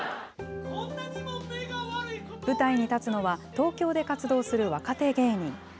舞台に立つのは、東京で活動する若手芸人。